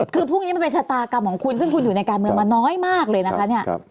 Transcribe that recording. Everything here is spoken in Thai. คือพวกนี้มันเป็นชะตากรรมของคุณซึ่งคุณอยู่ในการเมืองมาน้อยมากเลยนะคะเนี่ย